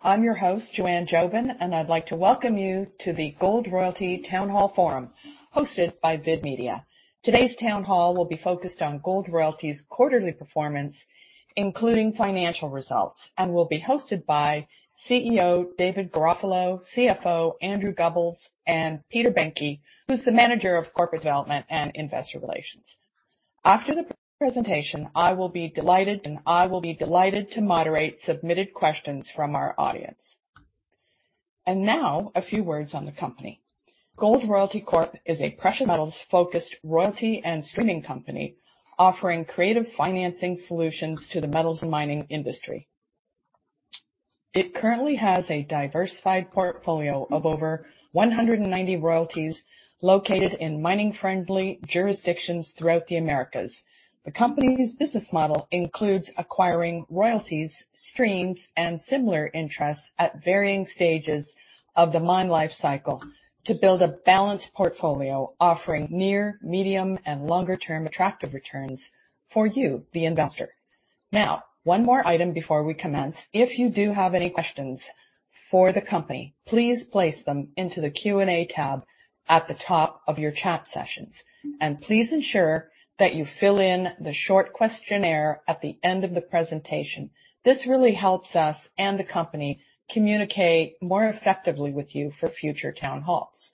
I'm your host, Joanne Jobin, and I'd like to welcome you to the Gold Royalty Town Hall Forum, hosted by VID Media. Today's town hall will be focused on Gold Royalty's quarterly performance, including financial results, and will be hosted by CEO David Garofalo, CFO Andrew Gubbels, and Peter Behncke, who's the Manager of Corporate Development and Investor Relations. After the presentation, I will be delighted, and I will be delighted to moderate submitted questions from our audience. Now, a few words on the company. Gold Royalty Corp is a precious metals-focused royalty and streaming company, offering creative financing solutions to the metals and mining industry. It currently has a diversified portfolio of over 190 royalties located in mining-friendly jurisdictions throughout the Americas. The company's business model includes acquiring royalties, streams, and similar interests at varying stages of the mine life cycle to build a balanced portfolio, offering near, medium, and longer term attractive returns for you, the investor. One more item before we commence. If you do have any questions for the company, please place them into the Q&A tab at the top of your chat sessions, and please ensure that you fill in the short questionnaire at the end of the presentation. This really helps us and the company communicate more effectively with you for future town halls.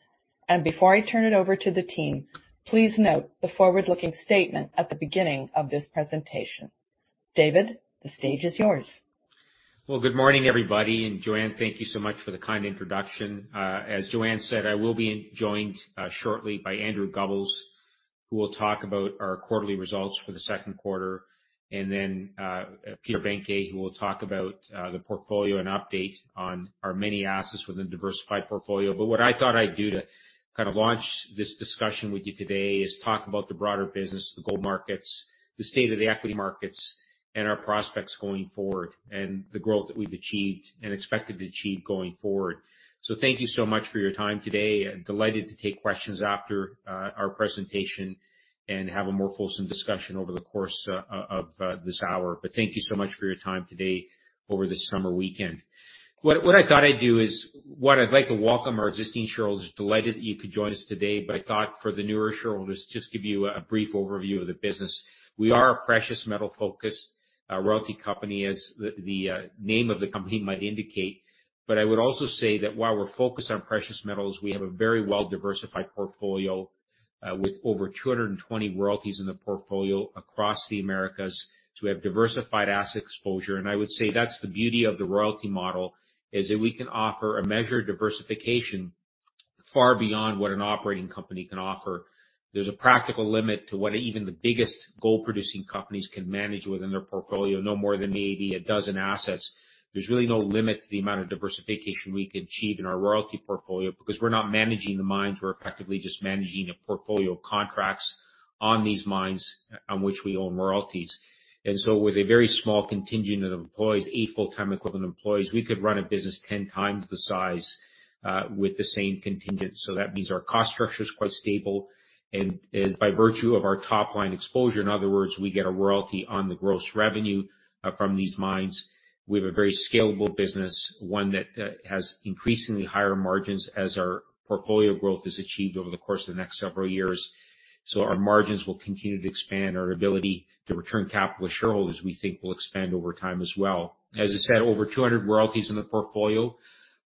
Before I turn it over to the team, please note the forward-looking statement at the beginning of this presentation. David, the stage is yours. Good morning, everybody, and Joanne, thank you so much for the kind introduction. As Joanne said, I will be in- joined shortly by Andrew Gubbels, who will talk about our quarterly results for the second quarter, and then Peter Behncke, who will talk about the portfolio and update on our many assets within the diversified portfolio. What I thought I'd do to kind of launch this discussion with you today is talk about the broader business, the gold markets, the state of the equity markets, and our prospects going forward, and the growth that we've achieved and expected to achieve going forward. Thank you so much for your time today. Delighted to take questions after our presentation and have a more fulsome discussion over the course of this hour. Thank you so much for your time today over this summer weekend. What I thought I'd do is, I'd like to welcome our existing shareholders, delighted that you could join us today, but I thought for the newer shareholders, just give you a brief overview of the business. We are a precious metal-focused royalty company, as the name of the company might indicate. I would also say that while we're focused on precious metals, we have a very well-diversified portfolio with over 220 royalties in the portfolio across the Americas to have diversified asset exposure. I would say that's the beauty of the royalty model, is that we can offer a measure of diversification far beyond what an operating company can offer. There's a practical limit to what even the biggest gold-producing companies can manage within their portfolio, no more than maybe 12 assets. There's really no limit to the amount of diversification we can achieve in our royalty portfolio because we're not managing the mines, we're effectively just managing a portfolio of contracts on these mines on which we own royalties. With a very small contingent of employees, eight full-time equivalent employees, we could run a business 10 times the size with the same contingent. That means our cost structure is quite stable, and, and by virtue of our top-line exposure, in other words, we get a royalty on the gross revenue from these mines. We have a very scalable business, one that has increasingly higher margins as our portfolio growth is achieved over the course of the next several years. Our margins will continue to expand. Our ability to return capital to shareholders, we think, will expand over time as well. As I said, over 200 royalties in the portfolio,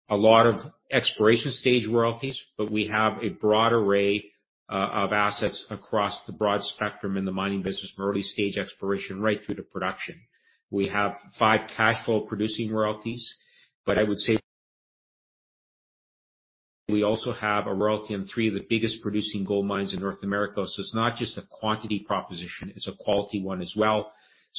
a lot of exploration-stage royalties, but we have a broad array of assets across the broad spectrum in the mining business, from early-stage exploration right through to production. We have 5 cashflow-producing royalties, but I would say we also have a royalty in three of the biggest producing gold mines in North America. It's not just a quantity proposition, it's a quality one as well.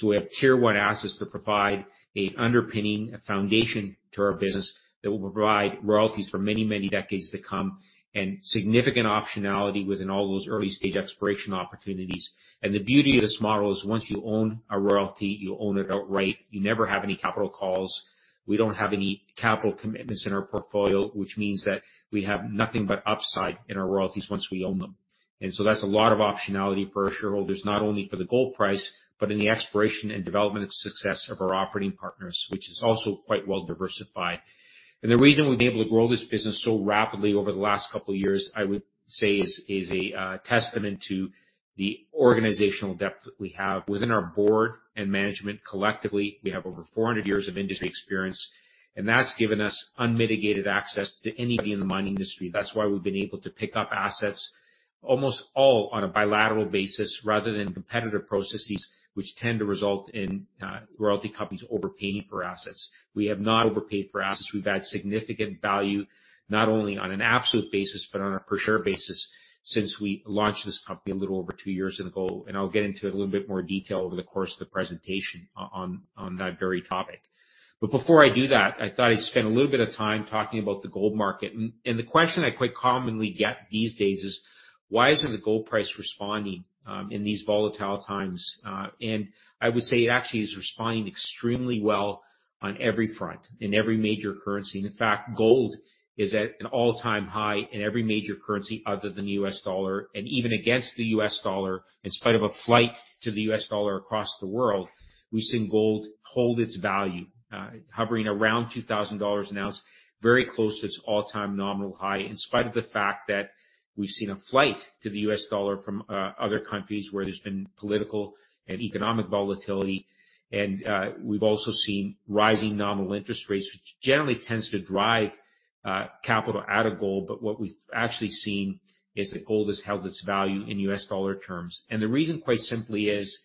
We have Tier One assets that provide an underpinning, a foundation to our business that will provide royalties for many, many decades to come, and significant optionality within all those early-stage exploration opportunities. The beauty of this model is once you own a royalty, you own it outright. You never have any capital calls. We don't have any capital commitments in our portfolio, which means that we have nothing but upside in our royalties once we own them. So that's a lot of optionality for our shareholders, not only for the gold price, but in the exploration and development and success of our operating partners, which is also quite well diversified. The reason we've been able to grow this business so rapidly over the last two years, I would say, is a testament to the organizational depth that we have within our board and management. Collectively, we have over 400 years of industry experience, and that's given us unmitigated access to anybody in the mining industry. That's why we've been able to pick up assets, almost all on a bilateral basis rather than competitive processes, which tend to result in royalty companies overpaying for assets. We have not overpaid for assets. We've had significant value, not only on an absolute basis, but on a per share basis since we launched this company a little over two years ago. I'll get into a little bit more detail over the course of the presentation on that very topic. Before I do that, I thought I'd spend a little bit of time talking about the gold market. The question I quite commonly get these days is: Why isn't the gold price responding in these volatile times? And I would say it actually is responding extremely well on every front, in every major currency. In fact, gold is at an all-time high in every major currency other than the US dollar, and even against the US dollar, in spite of a flight to the US dollar across the world, we've seen gold hold its value, hovering around $2,000 an ounce, very close to its all-time nominal high, in spite of the fact that we've seen a flight to the US dollar from other countries where there's been political and economic volatility. We've also seen rising nominal interest rates, which generally tends to drive capital out of gold. What we've actually seen is that gold has held its value in US dollar terms. The reason, quite simply, is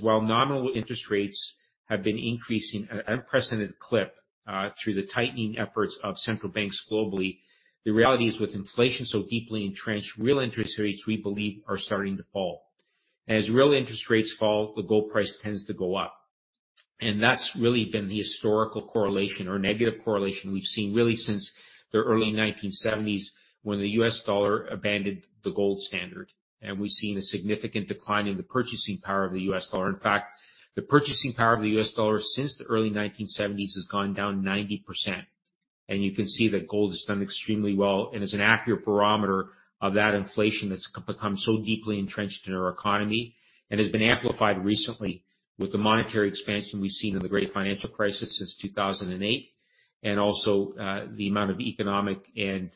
while nominal interest rates have been increasing at an unprecedented clip, through the tightening efforts of central banks globally, the reality is, with inflation so deeply entrenched, real interest rates, we believe, are starting to fall. As real interest rates fall, the gold price tends to go up. That's really been the historical correlation or negative correlation we've seen, really, since the early 1970s, when the U.S. dollar abandoned the gold standard, and we've seen a significant decline in the purchasing power of the U.S. dollar. In fact, the purchasing power of the US dollar since the early 1970s has gone down 90%. You can see that gold has done extremely well and is an accurate barometer of that inflation that's become so deeply entrenched in our economy, and has been amplified recently with the monetary expansion we've seen in the great financial crisis since 2008, and also, the amount of economic and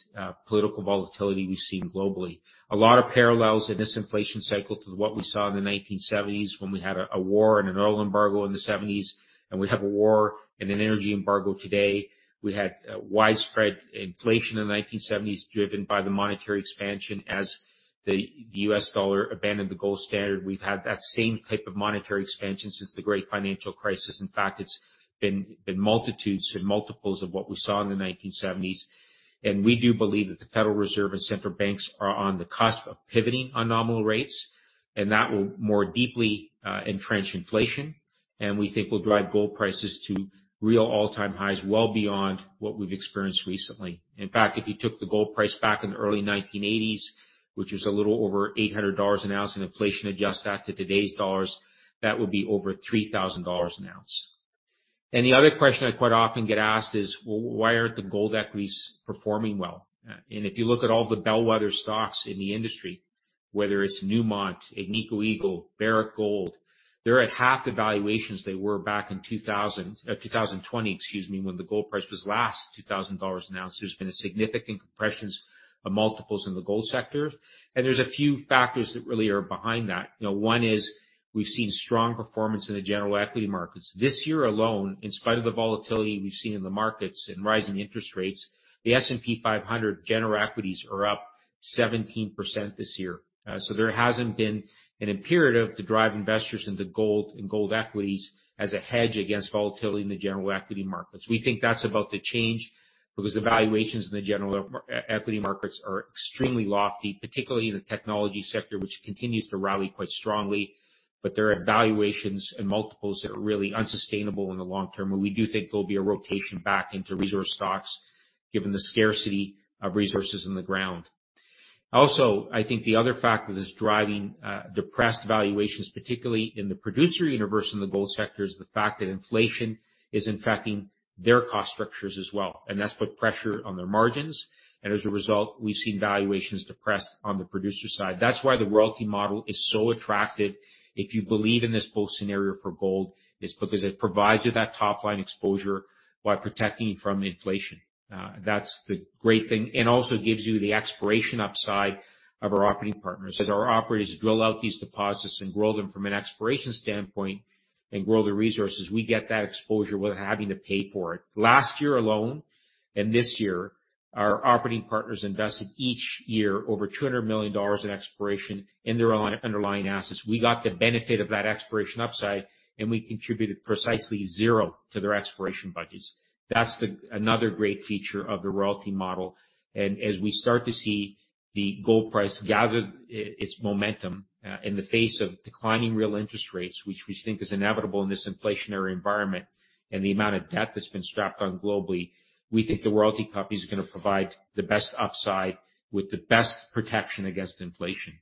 political volatility we've seen globally. A lot of parallels in this inflation cycle to what we saw in the 1970s when we had a war and an oil embargo in the '70s. We have a war and an energy embargo today. We had widespread inflation in the 1970s, driven by the monetary expansion as the US dollar abandoned the gold standard. We've had that same type of monetary expansion since the great financial crisis. In fact, it's been in multitudes and multiples of what we saw in the 1970s. We do believe that the Federal Reserve and central banks are on the cusp of pivoting on nominal rates, and that will more deeply entrench inflation, and we think will drive gold prices to real all-time highs, well beyond what we've experienced recently. If you took the gold price back in the early 1980s, which was a little over $800 an ounce, and inflation adjust that to today's dollars, that would be over $3,000 an ounce. The other question I quite often get asked is, "Well, why aren't the gold equities performing well?" If you look at all the bellwether stocks in the industry, whether it's Newmont, Agnico Eagle, Barrick Gold, they're at half the valuations they were back in 2,000... 2020, excuse me, when the gold price was last $2,000 an ounce. There's been a significant compressions of multiples in the gold sector. There's a few factors that really are behind that. You know, one is, we've seen strong performance in the general equity markets. This year alone, in spite of the volatility we've seen in the markets and rising interest rates, the S&P 500 General Equities are up 17% this year. There hasn't been an imperative to drive investors into gold and gold equities as a hedge against volatility in the general equity markets. We think that's about to change because the valuations in the general equity markets are extremely lofty, particularly in the technology sector, which continues to rally quite strongly. There are valuations and multiples that are really unsustainable in the long term, and we do think there'll be a rotation back into resource stocks given the scarcity of resources in the ground. Also, I think the other factor that is driving depressed valuations, particularly in the producer universe and the gold sector, is the fact that inflation is impacting their cost structures as well, and that's put pressure on their margins. As a result, we've seen valuations depressed on the producer side. That's why the royalty model is so attractive. If you believe in this bull scenario for gold, it's because it provides you that top-line exposure while protecting you from inflation. That's the great thing, and also gives you the exploration upside of our operating partners. As our operators drill out these deposits and grow them from an exploration standpoint and grow the resources, we get that exposure without having to pay for it. Last year alone and this year, our operating partners invested each year over $200 million in exploration in their underlying assets. We got the benefit of that exploration upside, and we contributed precisely 0 to their exploration budgets. That's another great feature of the royalty model. As we start to see the gold price gather its momentum in the face of declining real interest rates, which we think is inevitable in this inflationary environment, and the amount of debt that's been strapped on globally, we think the royalty companies are gonna provide the best upside with the best protection against inflation.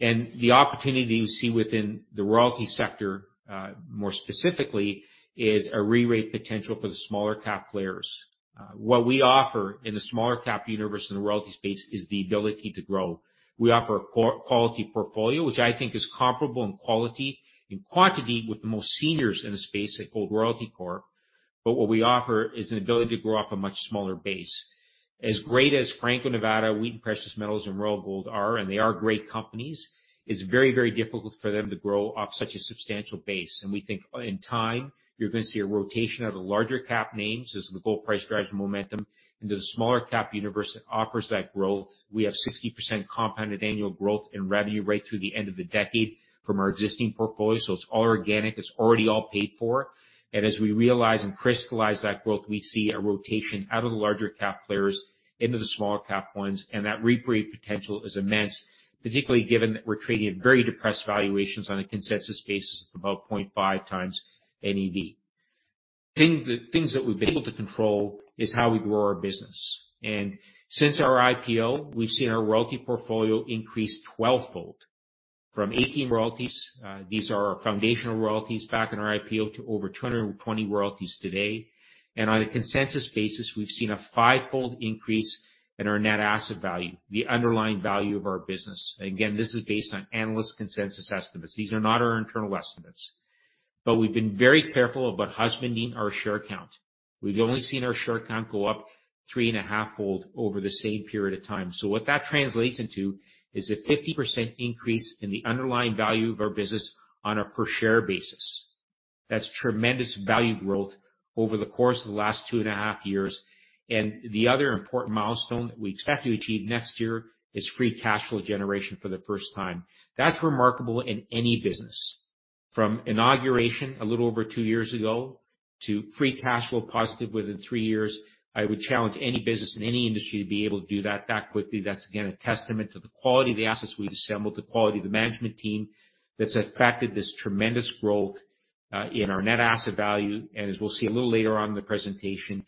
The opportunity you see within the royalty sector, more specifically, is a rerate potential for the smaller cap players. What we offer in the smaller cap universe, in the royalty space, is the ability to grow. We offer a quality portfolio, which I think is comparable in quality and quantity with the most seniors in the space at Gold Royalty Corp. What we offer is an ability to grow off a much smaller base. As great as Franco-Nevada, Wheaton Precious Metals, and Royal Gold are, and they are great companies, it's very, very difficult for them to grow off such a substantial base. We think in time, you're going to see a rotation of the larger cap names as the gold price drives momentum into the smaller cap universe that offers that growth. We have 60% compounded annual growth in revenue right through the end of the decade from our existing portfolio. It's all organic, it's already all paid for. As we realize and crystallize that growth, we see a rotation out of the larger cap players into the smaller cap ones, and that rerate potential is immense, particularly given that we're trading at very depressed valuations on a consensus basis of about 0.5x NAV. Thing that, things that we've been able to control is how we grow our business. Since our IPO, we've seen our royalty portfolio increase 12-fold. From 18 royalties, these are our foundational royalties back in our IPO, to over 220 royalties today. On a consensus basis, we've seen a 5-fold increase in our net asset value, the underlying value of our business. Again, this is based on analyst consensus estimates. These are not our internal estimates.... We've been very careful about husbanding our share count. We've only seen our share count go up 3.5-fold over the same period of time. What that translates into is a 50% increase in the underlying value of our business on a per-share basis. That's tremendous value growth over the course of the last 2.5 years, and the other important milestone that we expect to achieve next year is free cash flow generation for the first time. That's remarkable in any business. From inauguration, a little over 2 years ago, to free cash flow positive within 3 years, I would challenge any business in any industry to be able to do that, that quickly. That's again a testament to the quality of the assets we've assembled, the quality of the management team, that's affected this tremendous growth in our net asset value. As we'll see a little later on in the presentation,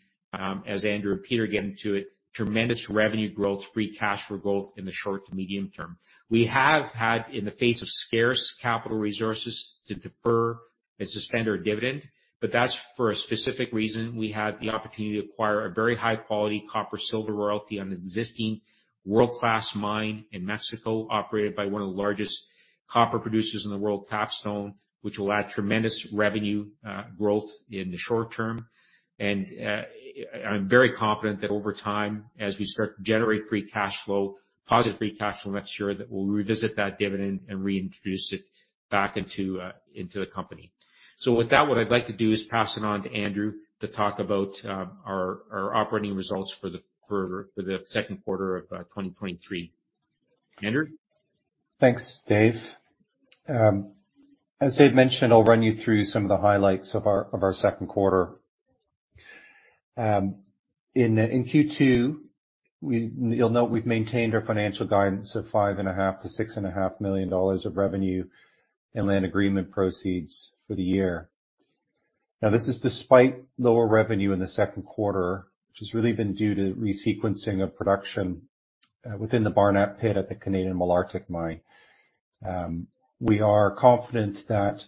as Andrew and Peter get into it, tremendous revenue growth, free cash flow growth in the short to medium term. We have had, in the face of scarce capital resources, to defer and suspend our dividend, but that's for a specific reason. We had the opportunity to acquire a very high-quality copper silver royalty on an existing world-class mine in Mexico, operated by one of the largest copper producers in the world, Capstone, which will add tremendous revenue, growth in the short term. I'm very confident that over time, as we start to generate free cash flow, positive free cash flow next year, that we'll revisit that dividend and reintroduce it back into, into the company. With that, what I'd like to do is pass it on to Andrew to talk about, our, our operating results for the, for, for the second quarter of, 2023. Andrew? Thanks, Dave. As Dave mentioned, I'll run you through some of the highlights of our second quarter. In Q2, you'll note we've maintained our financial guidance of $5.5 million-$6.5 million of revenue and land agreement proceeds for the year. This is despite lower revenue in the second quarter, which has really been due to resequencing of production within the Barnat Pit at the Canadian Malartic Mine. We are confident that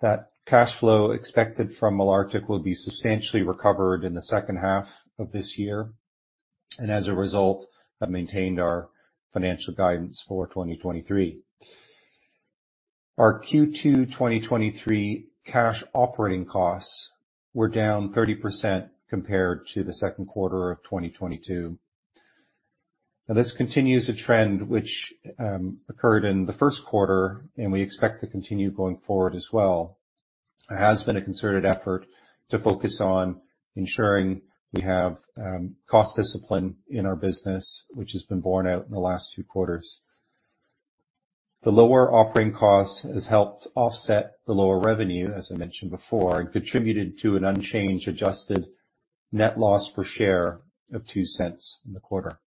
that cash flow expected from Malartic will be substantially recovered in the second half of this year, and as a result, have maintained our financial guidance for 2023. Our Q2 2023 cash operating costs were down 30% compared to the second quarter of 2022. Now, this continues a trend which occurred in the first quarter, and we expect to continue going forward as well. It has been a concerted effort to focus on ensuring we have cost discipline in our business, which has been borne out in the last few quarters. The lower operating cost has helped offset the lower revenue, as I mentioned before, and contributed to an unchanged adjusted net loss per share of $0.02 in the quarter.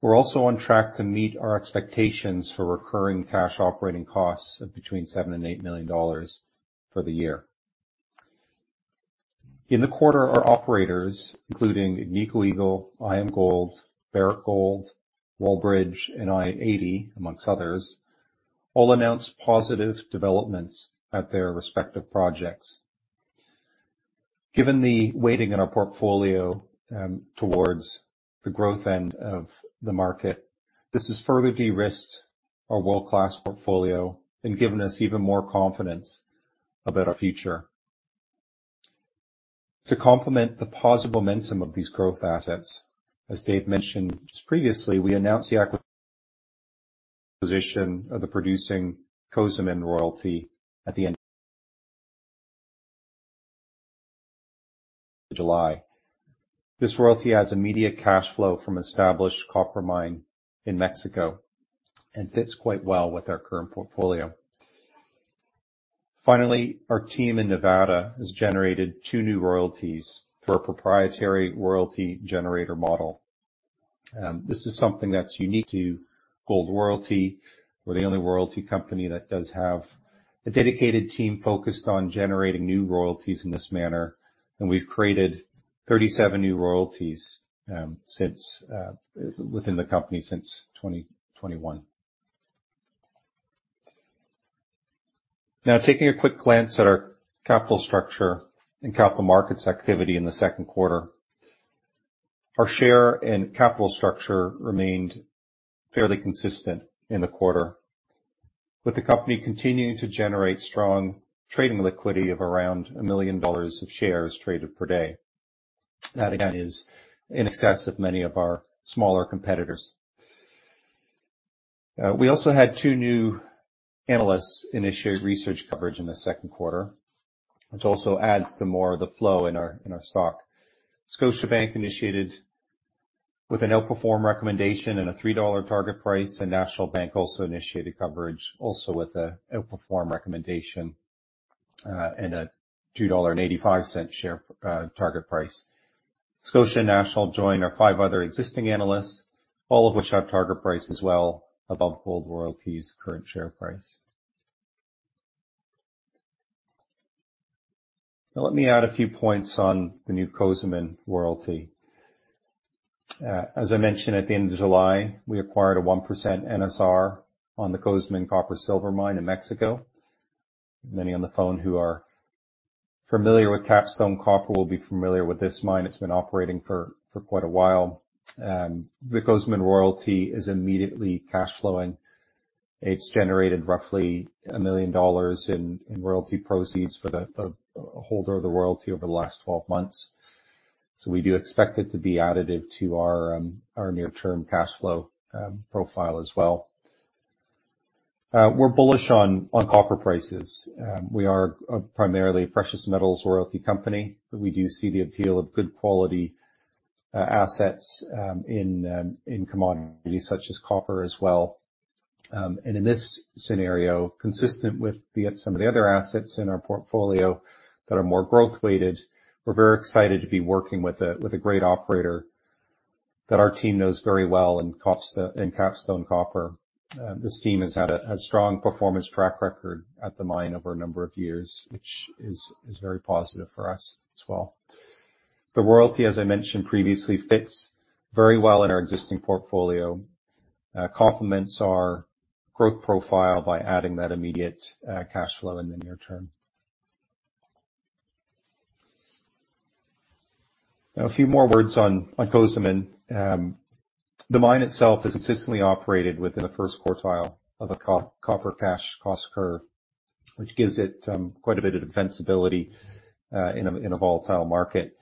We're also on track to meet our expectations for recurring cash operating costs of between $7 million-$8 million for the year. In the quarter, our operators, including Agnico Eagle, IAMGOLD, Barrick Gold, Wallbridge, and i-80 Gold, amongst others, all announced positive developments at their respective projects. Given the weighting in our portfolio, towards the growth end of the market, this has further de-risked our world-class portfolio and given us even more confidence about our future. To complement the positive momentum of these growth assets, as Dave mentioned just previously, we announced the acquisition of the producing Cozamin royalty at the end of July. This royalty adds immediate cash flow from established copper mine in Mexico and fits quite well with our current portfolio. Finally, our team in Nevada has generated two new royalties for a proprietary royalty generator model. This is something that's unique to Gold Royalty. We're the only royalty company that does have a dedicated team focused on generating new royalties in this manner, and we've created 37 new royalties since within the company since 2021. Taking a quick glance at our capital structure and capital markets activity in the second quarter. Our share and capital structure remained fairly consistent in the quarter, with the company continuing to generate strong trading liquidity of around $1 million of shares traded per day. That, again, is in excess of many of our smaller competitors. We also had two new analysts initiate research coverage in the second quarter, which also adds to more of the flow in our, in our stock. Scotiabank initiated with an outperform recommendation and a $3 target price, and National Bank also initiated coverage, also with an outperform recommendation, and a $2.85 share target price. Scotiabank and National Bank join our five other existing analysts, all of which have target prices well above Gold Royalty's current share price. Now, let me add a few points on the new Cozamin royalty. As I mentioned, at the end of July, we acquired a 1% NSR on the Cozamin copper silver mine in Mexico. Many on the phone who are familiar with Capstone Copper will be familiar with this mine. It's been operating for, for quite a while. The Cozamin royalty is immediately cash flowing. It's generated roughly $1 million in royalty proceeds for the holder of the royalty over the last 12 months. We do expect it to be additive to our near-term cash flow profile as well. We're bullish on copper prices. We are a primarily precious metals royalty company, we do see the appeal of good quality assets in commodities such as copper as well. In this scenario, consistent with the, some of the other assets in our portfolio that are more growth-weighted, we're very excited to be working with a, with a great operator that our team knows very well in Capstone Copper. This team has had a, a strong performance track record at the mine over a number of years, which is, is very positive for us as well. The royalty, as I mentioned previously, fits very well in our existing portfolio, complements our growth profile by adding that immediate cash flow in the near term. Now, a few more words on Cozamin. The mine itself is consistently operated within the first quartile of a copper cash cost curve, which gives it quite a bit of defensibility in a volatile market.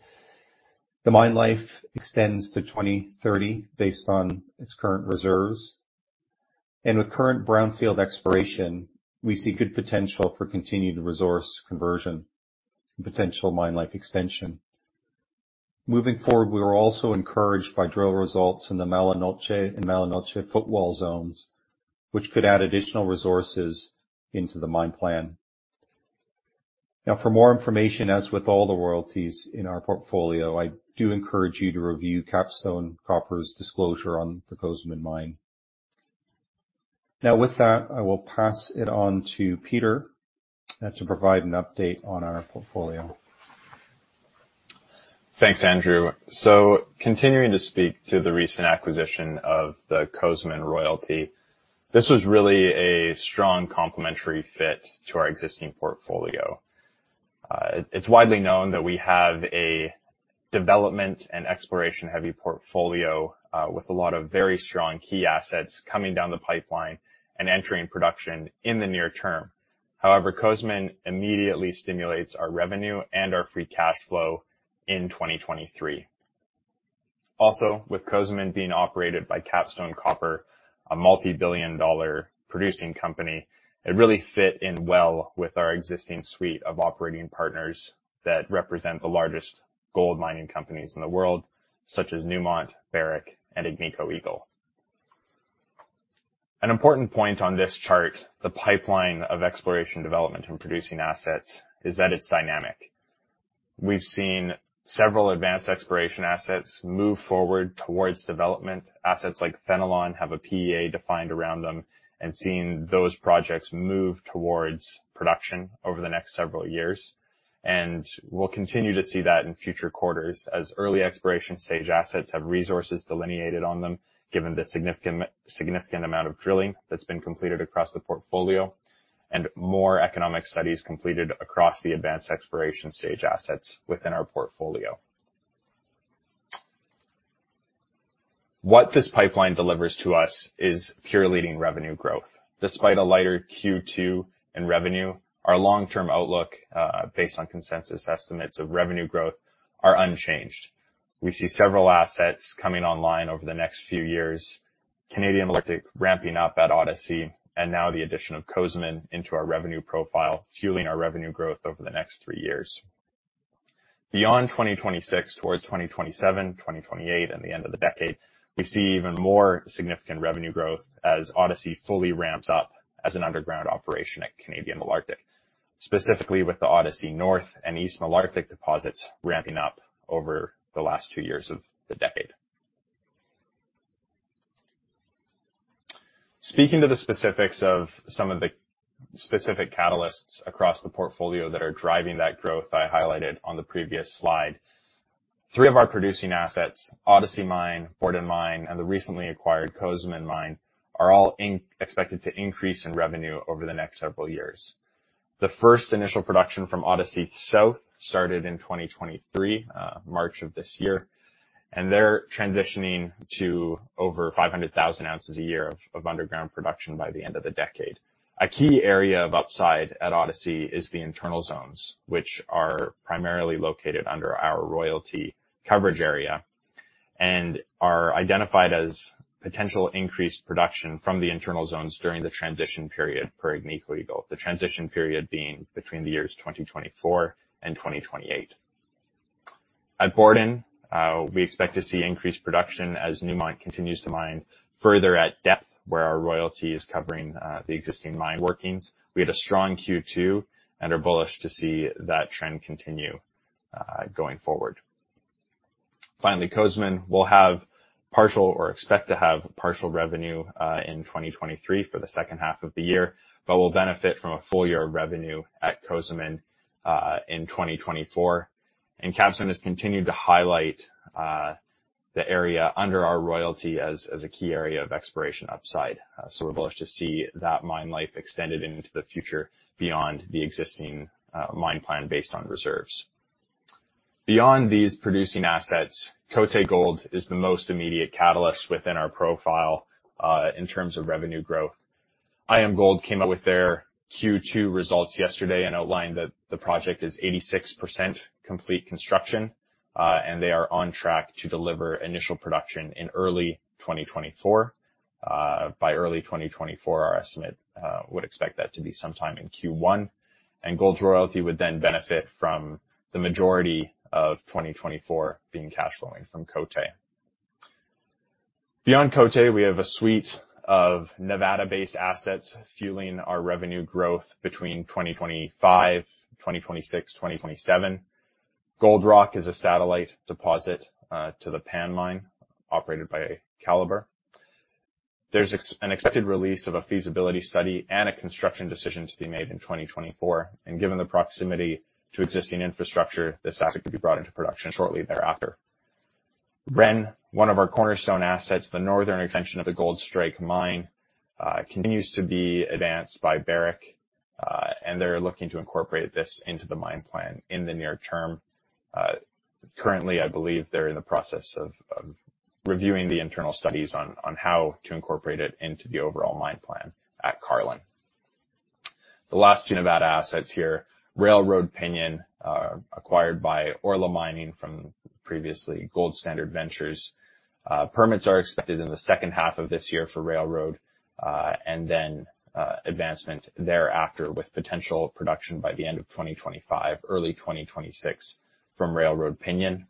The mine life extends to 2030 based on its current reserves, and with current brownfield exploration, we see good potential for continued resource conversion and potential mine life extension. Moving forward, we were also encouraged by drill results in the Mala Noche and Mala Noche Footwall Zones, which could add additional resources into the mine plan. Now, for more information, as with all the royalties in our portfolio, I do encourage you to review Capstone Copper's disclosure on the Cozamin Mine. Now, with that, I will pass it on to Peter to provide an update on our portfolio. Thanks, Andrew. Continuing to speak to the recent acquisition of the Cozamin royalty, this was really a strong complementary fit to our existing portfolio. It, it's widely known that we have a development and exploration-heavy portfolio, with a lot of very strong key assets coming down the pipeline and entering production in the near term. However, Cozamin immediately stimulates our revenue and our free cash flow in 2023. Also, with Cozamin being operated by Capstone Copper, a multi-billion dollar producing company, it really fit in well with our existing suite of operating partners that represent the largest gold mining companies in the world, such as Newmont, Barrick, and Agnico Eagle. An important point on this chart, the pipeline of exploration, development, and producing assets, is that it's dynamic. We've seen several advanced exploration assets move forward towards development. Assets like Fenelon have a PEA defined around them, and seeing those projects move towards production over the next several years. We'll continue to see that in future quarters as early exploration stage assets have resources delineated on them, given the significant, significant amount of drilling that's been completed across the portfolio, and more economic studies completed across the advanced exploration stage assets within our portfolio. What this pipeline delivers to us is pure leading revenue growth. Despite a lighter Q2 in revenue, our long-term outlook, based on consensus estimates of revenue growth, are unchanged. We see several assets coming online over the next few years, Canadian Malartic ramping up at Odyssey, and now the addition of Cozamin into our revenue profile, fueling our revenue growth over the next three years. Beyond 2026, towards 2027, 2028, and the end of the decade, we see even more significant revenue growth as Odyssey fully ramps up as an underground operation at Canadian Malartic, specifically with the Odyssey North and East Malartic deposits ramping up over the last two years of the decade. Speaking to the specifics of some of the specific catalysts across the portfolio that are driving that growth I highlighted on the previous slide, three of our producing assets, Odyssey Mine, Borden Mine, and the recently acquired Cozamin Mine, are all expected to increase in revenue over the next several years. The first initial production from Odyssey South started in 2023, March of this year, they're transitioning to over 500,000 ounces a year of underground production by the end of the decade. A key area of upside at Odyssey is the internal zones, which are primarily located under our royalty coverage area and are identified as potential increased production from the internal zones during the transition period per Agnico Eagle, the transition period being between the years 2024 and 2028. At Borden, we expect to see increased production as Newmont continues to mine further at depth, where our royalty is covering the existing mine workings. We had a strong Q2 and are bullish to see that trend continue going forward. Finally, Cozamin will have partial or expect to have partial revenue in 2023 for the second half of the year, but will benefit from a full year of revenue at Cozamin in 2024. Capstone has continued to highlight the area under our royalty as, as a key area of exploration upside. We're bullish to see that mine life extended into the future beyond the existing mine plan based on reserves. Beyond these producing assets, Côté Gold is the most immediate catalyst within our profile in terms of revenue growth. IAMGOLD came out with their Q2 results yesterday and outlined that the project is 86% complete construction, and they are on track to deliver initial production in early 2024. By early 2024, our estimate would expect that to be sometime in Q1, and Gold Royalty would then benefit from the majority of 2024 being cash flowing from Côté. Beyond Côté, we have a suite of Nevada-based assets fueling our revenue growth between 2025, 2026, 2027. Gold Rock is a satellite deposit to the Pan Mine, operated by Calibre. There's an expected release of a feasibility study and a construction decision to be made in 2024. Given the proximity to existing infrastructure, this asset could be brought into production shortly thereafter. REN, one of our cornerstone assets, the northern extension of the Goldstrike Mine, continues to be advanced by Barrick, and they're looking to incorporate this into the mine plan in the near term. Currently, I believe they're in the process of reviewing the internal studies on how to incorporate it into the overall mine plan at Carlin. The last two Nevada assets here, Railroad-Pinion, acquired by Orla Mining from previously Gold Standard Ventures. Permits are expected in the second half of this year for Railroad, then advancement thereafter, with potential production by the end of 2025, early 2026 from Railroad-Pinion.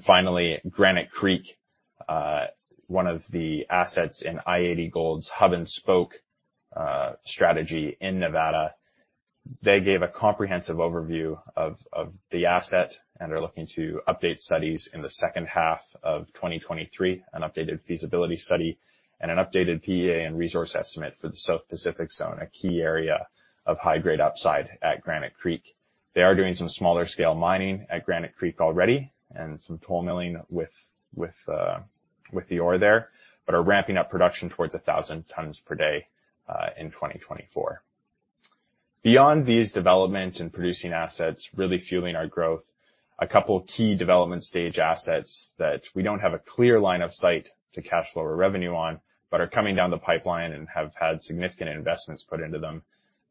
Finally, Granite Creek, one of the assets in i-80 Gold's hub-and-spoke strategy in Nevada. They gave a comprehensive overview of, of the asset, and are looking to update studies in the second half of 2023, an updated feasibility study, and an updated PEA and resource estimate for the South Pacific Zone, a key area of high-grade upside at Granite Creek. They are doing some smaller scale mining at Granite Creek already, and some toll milling with, with, with the ore there, but are ramping up production towards 1,000 tons per day in 2024. Beyond these development and producing assets really fueling our growth, a couple of key development stage assets that we don't have a clear line of sight to cash flow or revenue on, but are coming down the pipeline and have had significant investments put into them.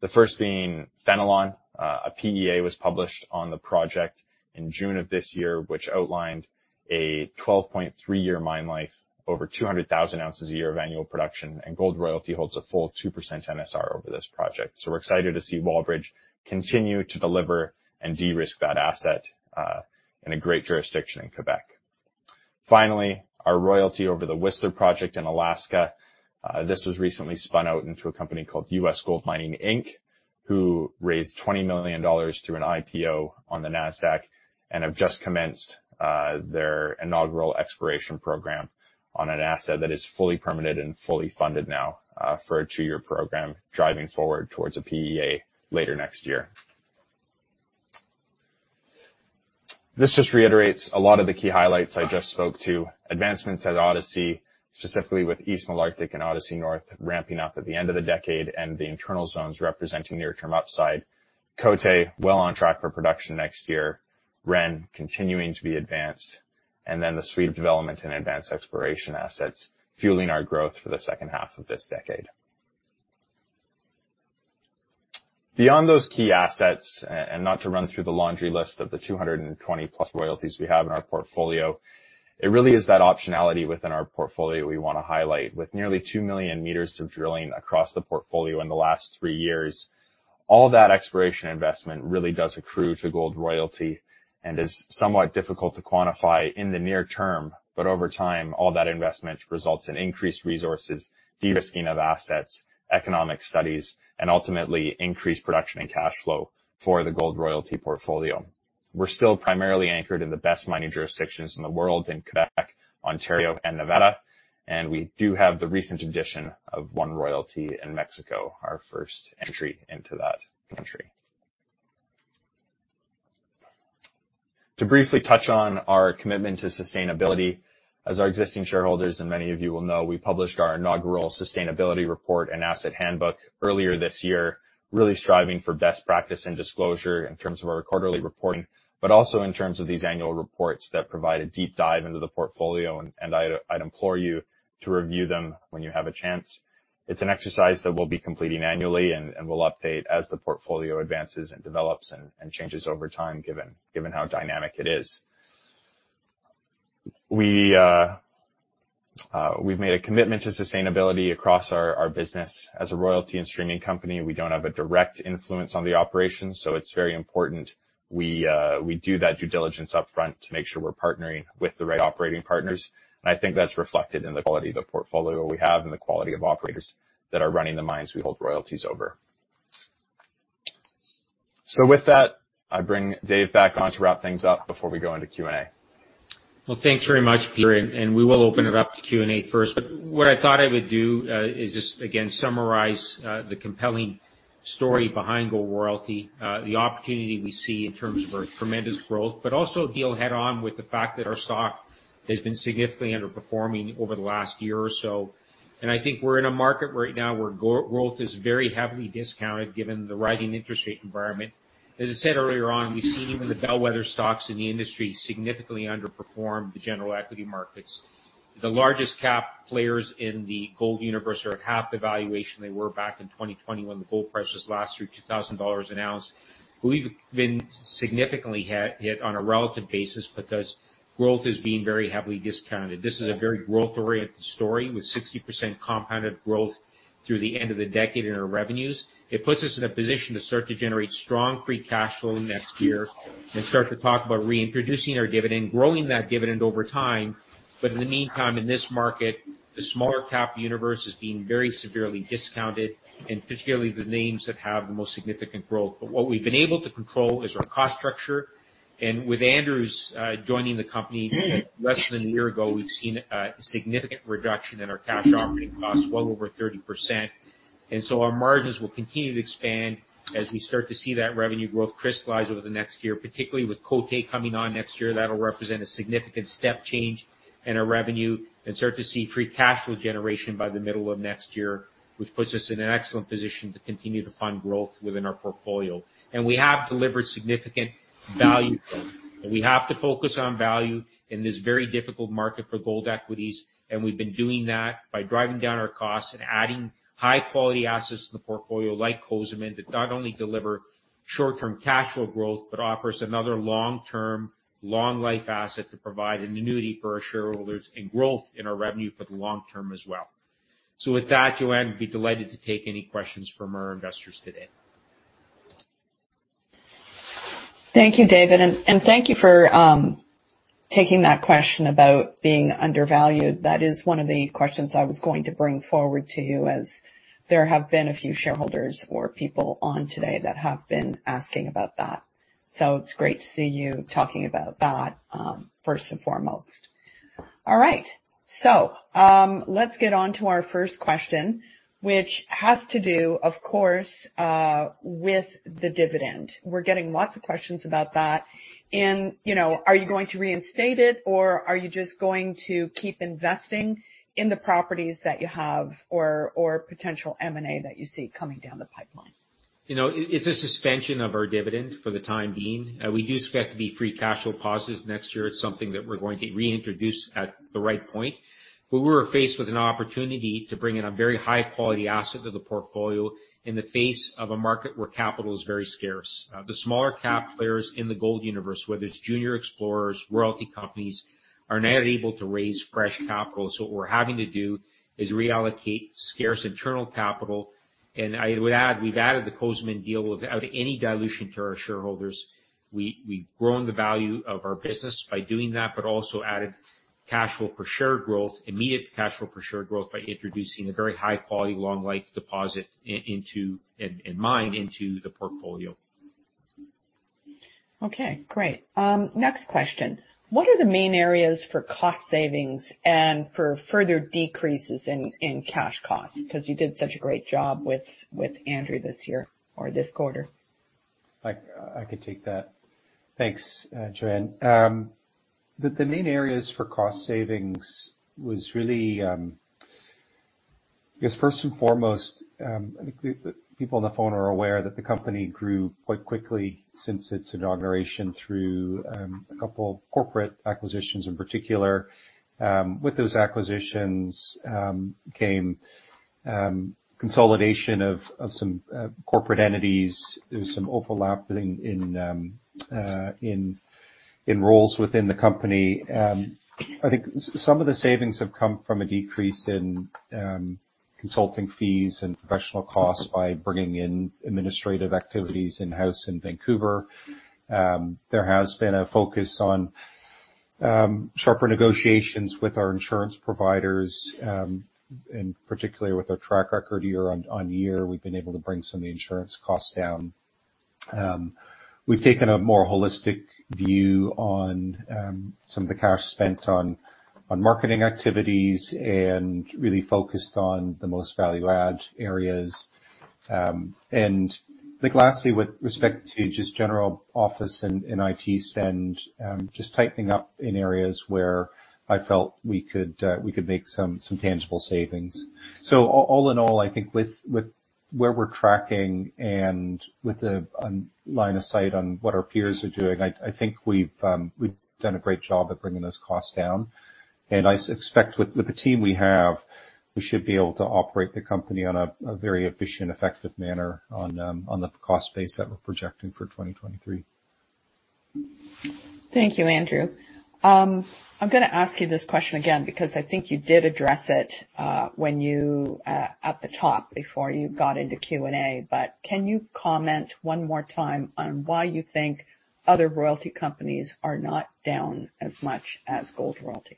The first being Fenelon. A PEA was published on the project in June of this year, which outlined a 12.Three year mine life, over 200,000 ounces a year of annual production, and Gold Royalty holds a full 2% NSR over this project. We're excited to see Wallbridge continue to deliver and de-risk that asset in a great jurisdiction in Quebec. Finally, our royalty over the Whistler Project in Alaska. This was recently spun out into a company called U.S. GoldMining Inc., who raised $20 million through an IPO on the Nasdaq and have just commenced their inaugural exploration program on an asset that is fully permitted and fully funded now for a twoyear program driving forward towards a PEA later next year. This just reiterates a lot of the key highlights I just spoke to. Advancements at Odyssey, specifically with East Malartic and Odyssey North, ramping up at the end of the decade and the internal zones representing near-term upside. Côté well on track for production next year. REN, continuing to be advanced, and then the suite of development and advanced exploration assets fueling our growth for the second half of this decade. Beyond those key assets, and not to run through the laundry list of the 220+ royalties we have in our portfolio, it really is that optionality within our portfolio we want to highlight. With nearly two million meters of drilling across the portfolio in the last three years, all that exploration investment really does accrue to Gold Royalty and is somewhat difficult to quantify in the near term, but over time, all that investment results in increased resources, de-risking of assets, economic studies, and ultimately increased production and cash flow for the Gold Royalty portfolio. We're still primarily anchored in the best mining jurisdictions in the world, in Quebec, Ontario, and Nevada, and we do have the recent addition of one royalty in Mexico, our first entry into that country. To briefly touch on our commitment to sustainability, as our existing shareholders and many of you will know, we published our inaugural sustainability report and asset handbook earlier this year, really striving for best practice and disclosure in terms of our quarterly reporting, but also in terms of these annual reports that provide a deep dive into the portfolio, and I'd implore you to review them when you have a chance. It's an exercise that we'll be completing annually, and we'll update as the portfolio advances and develops and changes over time, given how dynamic it is. We've made a commitment to sustainability across our business. As a royalty and streaming company, we don't have a direct influence on the operations, so it's very important we do that due diligence upfront to make sure we're partnering with the right operating partners. I think that's reflected in the quality of the portfolio we have and the quality of operators that are running the mines we hold royalties over. With that, I bring Dave back on to wrap things up before we go into Q&A. Well, thanks very much, Peter, and we will open it up to Q&A first. What I thought I would do, is just again, summarize the compelling story behind Gold Royalty, the opportunity we see in terms of our tremendous growth, but also deal head-on with the fact that our stock has been significantly underperforming over the last year or so. I think we're in a market right now where growth is very heavily discounted, given the rising interest rate environment. As I said earlier on, we've seen even the bellwether stocks in the industry significantly underperform the general equity markets. The largest cap players in the gold universe are at half the valuation they were back in 2020 when the gold prices last reached $2,000 an ounce. We've been significantly hit, hit on a relative basis because growth is being very heavily discounted. This is a very growth-oriented story with 60% compounded growth through the end of the decade in our revenues. It puts us in a position to start to generate strong free cash flow next year and start to talk about reintroducing our dividend, growing that dividend over time. In the meantime, in this market, the smaller cap universe is being very severely discounted, and particularly the names that have the most significant growth. What we've been able to control is our cost structure, and with Andrew's joining the company less than a year ago, we've seen a significant reduction in our cash operating costs, well over 30%. Our margins will continue to expand as we start to see that revenue growth crystallize over the next year, particularly with Côté coming on next year. That'll represent a significant step change in our revenue and start to see free cash flow generation by the middle of next year, which puts us in an excellent position to continue to fund growth within our portfolio. We have delivered significant value, and we have to focus on value in this very difficult market for gold equities. We've been doing that by driving down our costs and adding high-quality assets to the portfolio, like Cozamin, that not only deliver short-term cash flow growth, but offers another long-term, long-life asset to provide an annuity for our shareholders and growth in our revenue for the long term as well. With that, Joanne, we'd be delighted to take any questions from our investors today. Thank you, David, and, and thank you for taking that question about being undervalued. That is one of the questions I was going to bring forward to you, as there have been a few shareholders or people on today that have been asking about that. It's great to see you talking about that, first and foremost. All right, let's get on to our first question, which has to do, of course, with the dividend. We're getting lots of questions about that, and, you know, are you going to reinstate it, or are you just going to keep investing in the properties that you have or, or potential M&A that you see coming down the pipeline? You know, it, it's a suspension of our dividend for the time being. We do expect to be free cash flow positive next year. It's something that we're going to reintroduce at the right point. We were faced with an opportunity to bring in a very high-quality asset to the portfolio in the face of a market where capital is very scarce. The smaller cap players in the gold universe, whether it's junior explorers, royalty companies, are not able to raise fresh capital. What we're having to do is reallocate scarce internal capital. I would add, we've added the Cozamin deal without any dilution to our shareholders. We, we've grown the value of our business by doing that, but also added cash flow per share growth, immediate cash flow per share growth, by introducing a very high-quality, long-life deposit into... and mine into the portfolio. Okay, great. Next question: What are the main areas for cost savings and for further decreases in cash costs? Because you did such a great job with Andrew this year or this quarter. I, I could take that. Thanks, Joanne. The, the main areas for cost savings was really, I guess first and foremost, I think the, the people on the phone are aware that the company grew quite quickly since its inauguration through a couple of corporate acquisitions in particular. With those acquisitions came consolidation of, of some corporate entities. There was some overlap in, in, in, in roles within the company. I think some of the savings have come from a decrease in consulting fees and professional costs by bringing in administrative activities in-house in Vancouver. There has been a focus on sharper negotiations with our insurance providers, and particularly with our track record year on, on year, we've been able to bring some of the insurance costs down. We've taken a more holistic view on some of the cash spent on marketing activities and really focused on the most value-add areas. I think lastly, with respect to just general office and IT spend, just tightening up in areas where I felt we could make some tangible savings. All, all in all, I think with, with where we're tracking and with the line of sight on what our peers are doing, I, I think we've done a great job at bringing those costs down, and I expect with, with the team we have, we should be able to operate the company on a very efficient and effective manner on the cost base that we're projecting for 2023. Thank you, Andrew. I'm gonna ask you this question again, because I think you did address it, when you, at the top before you got into Q&A, but can you comment one more time on why you think other royalty companies are not down as much as Gold Royalty?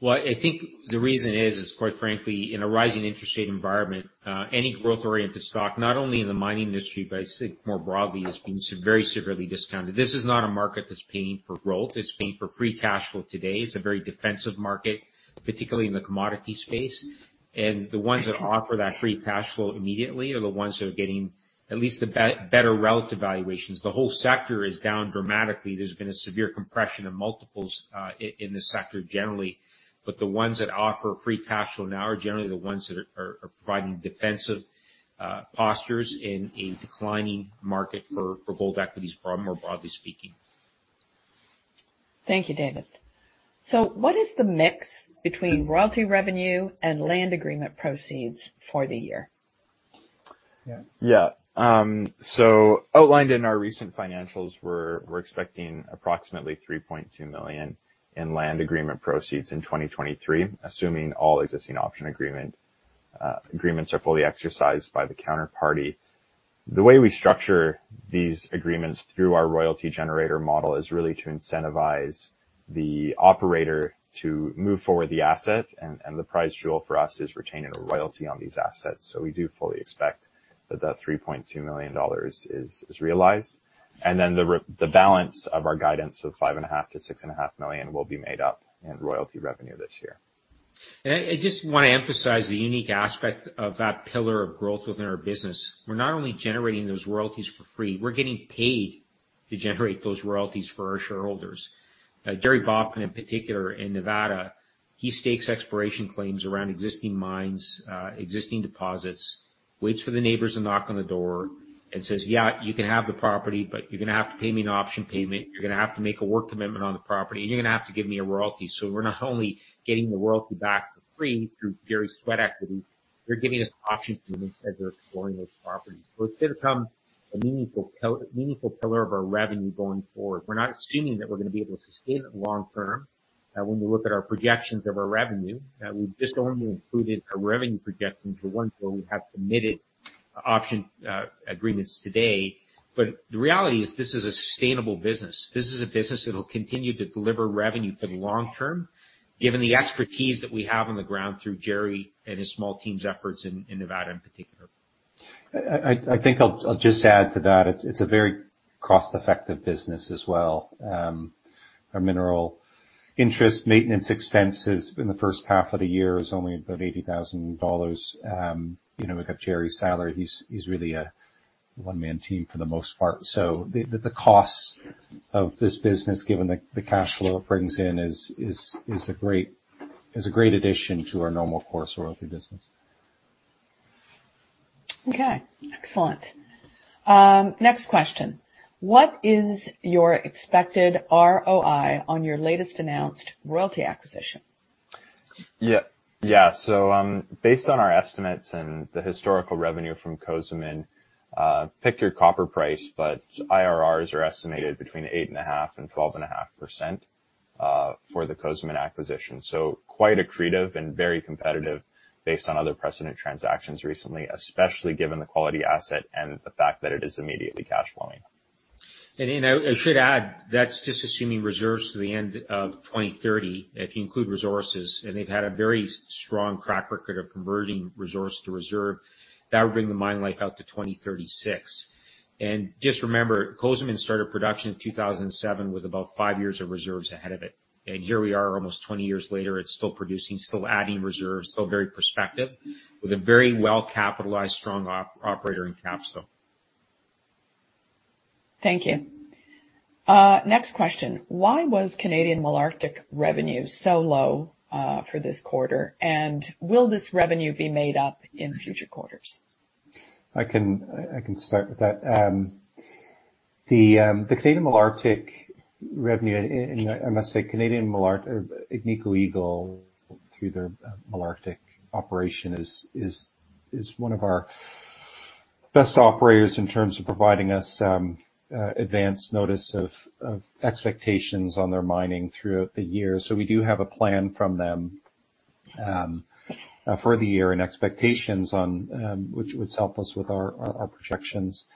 Well, I think the reason is, is quite frankly, in a rising interest rate environment, any growth-oriented stock, not only in the mining industry, but I think more broadly, has been very severely discounted. This is not a market that's paying for growth, it's paying for free cash flow today. It's a very defensive market, particularly in the commodity space, and the ones that offer that free cash flow immediately are the ones that are getting at least a better relative valuations. The whole sector is down dramatically. There's been a severe compression of multiples, in this sector generally, but the ones that offer free cash flow now are generally the ones that are, are providing defensive, postures in a declining market for, for gold equities, more broadly speaking. Thank you, David. What is the mix between royalty revenue and land agreement proceeds for the year? Yeah. Yeah, outlined in our recent financials, we're expecting approximately $3.2 million in land agreement proceeds in 2023, assuming all existing option agreements are fully exercised by the counterparty. The way we structure these agreements through our royalty generator model is really to incentivize the operator to move forward the asset, and the prize jewel for us is retaining a royalty on these assets. We do fully expect that the $3.2 million is realized, and then the balance of our guidance of $5.5 million-$6.5 million will be made up in royalty revenue this year. I just want to emphasize the unique aspect of that pillar of growth within our business. We're not only generating those royalties for free, we're getting paid to generate those royalties for our shareholders. Jerry Baughman, in particular, in Nevada, he stakes exploration claims around existing mines, existing deposits, waits for the neighbors to knock on the door and says, "Yeah, you can have the property, but you're gonna have to pay me an option payment. You're gonna have to make a work commitment on the property, and you're gonna have to give me a royalty." We're not only getting the royalty back for free through Jerry's sweat equity, they're giving us option payments as they're exploring those properties. It's gonna become a meaningful pillar of our revenue going forward. We're not assuming that we're gonna be able to sustain it long term, when we look at our projections of our revenue, we've just only included a revenue projection for ones where we have committed option agreements today. The reality is, this is a sustainable business. This is a business that will continue to deliver revenue for the long term, given the expertise that we have on the ground through Jerry and his small team's efforts in Nevada, in particular. I, I, I think I'll, I'll just add to that. It's, it's a very cost-effective business as well. Our mineral interest maintenance expenses in the first half of the year is only about $80,000. You know, we've got Jerry's salary. He's, he's really a one-man team for the most part. The, the, the costs of this business, given the, the cash flow it brings in, is, is, is a great, is a great addition to our normal course royalty business. Okay, excellent. next question: What is your expected ROI on your latest announced royalty acquisition? Yeah. Yeah, so, based on our estimates and the historical revenue from Cozamin, pick your copper price, but IRRs are estimated between 8.5% and 12.5%, for the Cozamin acquisition. Quite accretive and very competitive based on other precedent transactions recently, especially given the quality asset and the fact that it is immediately cash flowing. I should add, that's just assuming reserves to the end of 2030. If you include resources, and they've had a very strong track record of converting resource to reserve, that would bring the mine life out to 2036. Just remember, Cozamin started production in 2007 with about 5 years of reserves ahead of it, and here we are, almost 20 years later, it's still producing, still adding reserves, still very prospective, with a very well-capitalized, strong operator in Capstone. Thank you. next question: Why was Canadian Malartic revenue so low, for this quarter? Will this revenue be made up in future quarters? I can, I can start with that. The Canadian Malartic revenue, I must say, Canadian Malartic, Agnico Eagle, through their Malartic operation, is one of our best operators in terms of providing us, advance notice of expectations on their mining throughout the year. We do have a plan from them, for the year and expectations on... which would help us with our projections.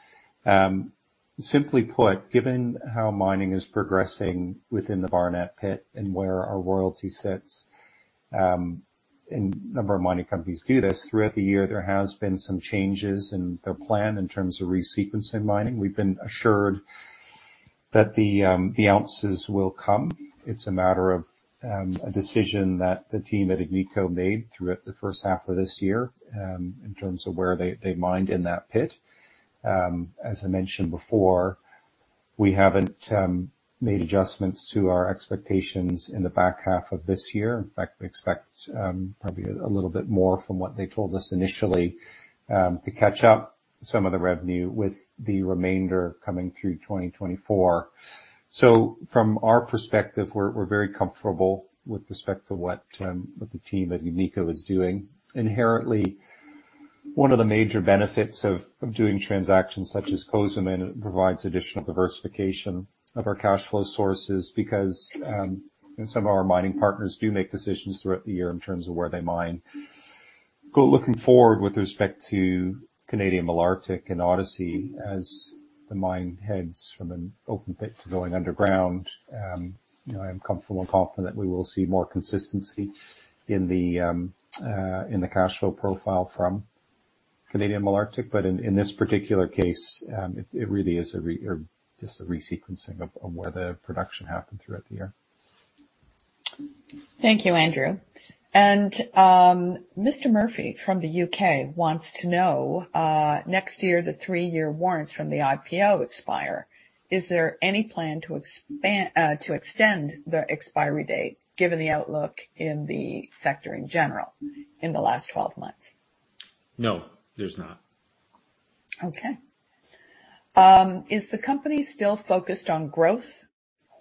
Simply put, given how mining is progressing within the Barnat pit and where our royalty sits, and a number of mining companies do this, throughout the year, there has been some changes in their plan in terms of resequencing mining. We've been assured that the ounces will come. It's a matter of a decision that the team at Agnico made throughout the first half of this year, in terms of where they, they mined in that pit. As I mentioned before, we haven't made adjustments to our expectations in the back half of this year. In fact, we expect probably a little bit more from what they told us initially, to catch up some of the revenue with the remainder coming through 2024. From our perspective, we're very comfortable with respect to what what the team at Agnico is doing. Inherently, one of the major benefits of doing transactions such as Cozamin, it provides additional diversification of our cash flow sources because some of our mining partners do make decisions throughout the year in terms of where they mine. Go looking forward with respect to Canadian Malartic and Odyssey as the mine heads from an open pit to going underground, you know, I'm comfortable and confident we will see more consistency in the cash flow profile from Canadian Malartic. In, in this particular case, it, it really is just a resequencing of, of where the production happened throughout the year. Thank you, Andrew. Mr. Murphy from the U.K. wants to know, next year, the three-year warrants from the IPO expire. Is there any plan to expand, to extend the expiry date, given the outlook in the sector in general in the last 12 months? No, there's not. Okay. Is the company still focused on growth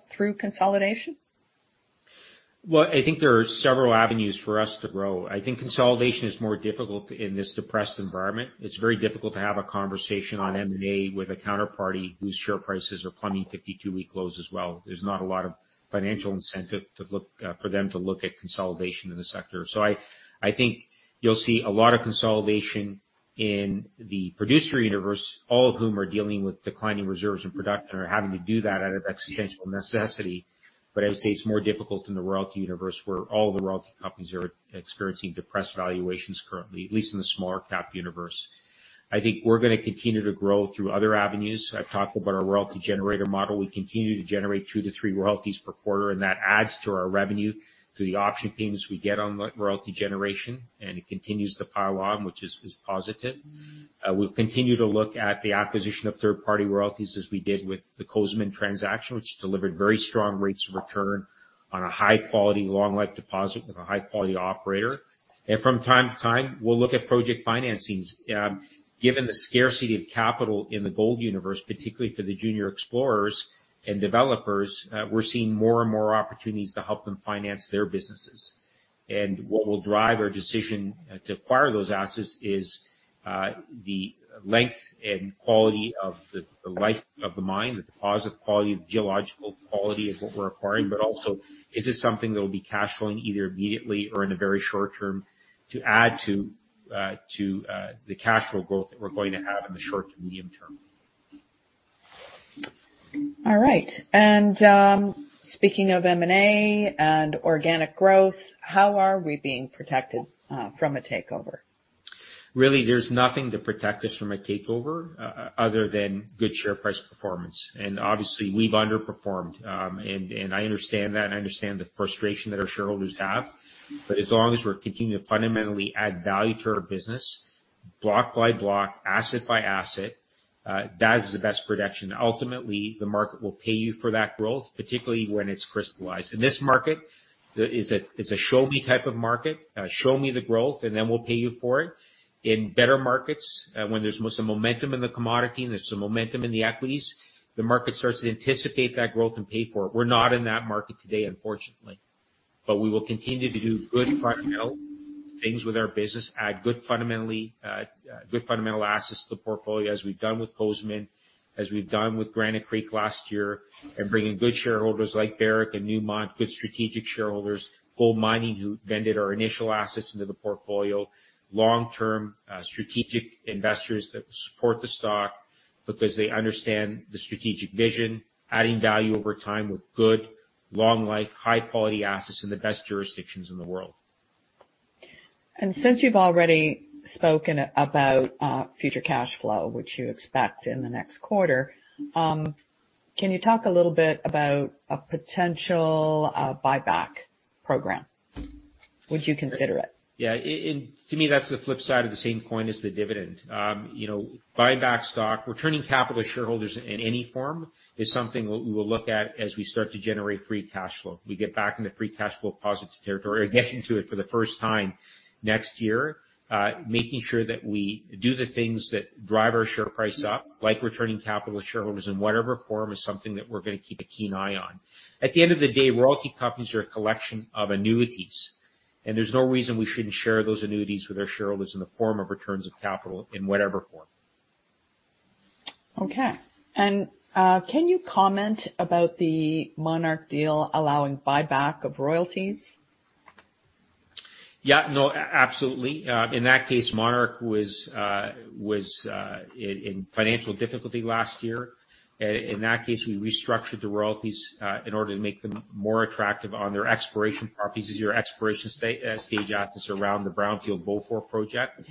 through consolidation? Well, I think there are several avenues for us to grow. I think consolidation is more difficult in this depressed environment. It's very difficult to have a conversation on M&A with a counterparty whose share prices are plumbing 52-week lows as well. There's not a lot of financial incentive to look for them to look at consolidation in the sector. I, I think you'll see a lot of consolidation in the producer universe, all of whom are dealing with declining reserves and production, are having to do that out of existential necessity. I would say it's more difficult in the royalty universe, where all the royalty companies are experiencing depressed valuations currently, at least in the smaller cap universe. I think we're gonna continue to grow through other avenues. I've talked about our royalty generator model. We continue to generate 2-3 royalties per quarter, and that adds to our revenue, to the option premiums we get on the royalty generation, and it continues to pile on, which is positive. We'll continue to look at the acquisition of third-party royalties as we did with the Cozamin transaction, which delivered very strong rates of return on a high quality, long life deposit with a high quality operator. From time to time, we'll look at project financings. Given the scarcity of capital in the gold universe, particularly for the junior explorers and developers, we're seeing more and more opportunities to help them finance their businesses. What will drive our decision to acquire those assets is the length and quality of the, the life of the mine, the deposit quality, the geological quality of what we're acquiring, but also is this something that will be cash flowing either immediately or in the very short term, to add to the cash flow growth that we're going to have in the short to medium term? All right. Speaking of M&A and organic growth, how are we being protected from a takeover? Really, there's nothing to protect us from a takeover, other than good share price performance. Obviously, we've underperformed, and, and I understand that, and I understand the frustration that our shareholders have. As long as we're continuing to fundamentally add value to our business, block by block, asset by asset, that is the best protection. Ultimately, the market will pay you for that growth, particularly when it's crystallized. In this market, it's a show me type of market. Show me the growth, and then we'll pay you for it. In better markets, when there's some momentum in the commodity and there's some momentum in the equities, the market starts to anticipate that growth and pay for it. We're not in that market today, unfortunately, but we will continue to do good fundamental things with our business, add good fundamentally, good fundamental assets to the portfolio, as we've done with Cozamin, as we've done with Granite Creek last year, and bring in good shareholders like Barrick and Newmont, good strategic shareholders, GoldMining, who vended our initial assets into the portfolio. Long-term strategic investors that support the stock because they understand the strategic vision, adding value over time with good, long life, high quality assets in the best jurisdictions in the world. Since you've already spoken about future cash flow, which you expect in the next quarter, can you talk a little bit about a potential buyback program? Would you consider it? Yeah. To me, that's the flip side of the same coin as the dividend. You know, buyback stock, returning capital to shareholders in any form is something we, we will look at as we start to generate free cash flow. We get back into free cash flow positive territory or get into it for the first time next year, making sure that we do the things that drive our share price up, like returning capital to shareholders in whatever form, is something that we're gonna keep a keen eye on. At the end of the day, royalty companies are a collection of annuities, and there's no reason we shouldn't share those annuities with our shareholders in the form of returns of capital, in whatever form. Okay. Can you comment about the Monarch deal allowing buyback of royalties? Yeah. No, absolutely. In that case, Monarch was in financial difficulty last year. In that case, we restructured the royalties in order to make them more attractive on their exploration properties, your exploration stage assets around the Brownfield Beaufor Project.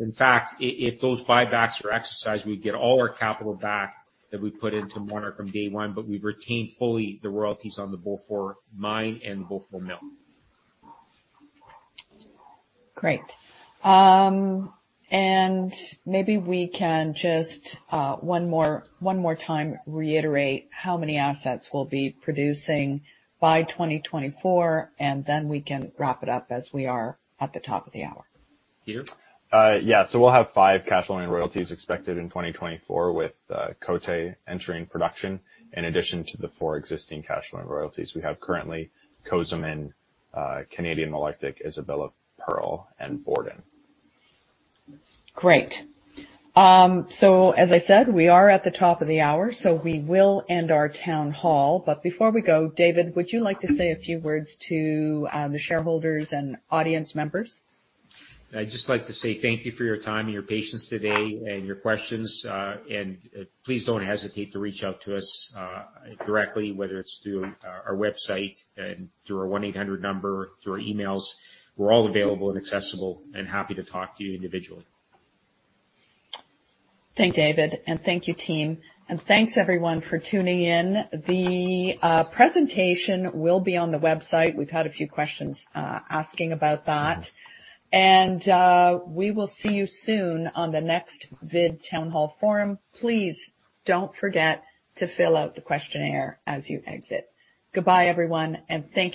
In fact, if those buybacks are exercised, we'd get all our capital back that we put into Monarch from day one, but we've retained fully the royalties on the Beaufor Mine and the Beaufor Mill. Great. maybe we can just, one more, one more time reiterate how many assets we'll be producing by 2024, and then we can wrap it up as we are at the top of the hour. Peter? Yeah. We'll have 5 cash flowing royalties expected in 2024, with Côté entering production, in addition to the 4 existing cash flowing royalties. We have currently Cozamin, Canadian Malartic, Isabella Pearl, and Borden. Great. As I said, we are at the top of the hour, so we will end our town hall. Before we go, David, would you like to say a few words to the shareholders and audience members? I'd just like to say thank you for your time and your patience today and your questions. Please don't hesitate to reach out to us directly, whether it's through our website and through our 1-800 number, through our emails. We're all available and accessible and happy to talk to you individually. Thank you, David, thank you, team. Thanks, everyone, for tuning in. The presentation will be on the website. We've had a few questions asking about that. We will see you soon on the next vid town hall forum. Please don't forget to fill out the questionnaire as you exit. Goodbye, everyone, and thank you.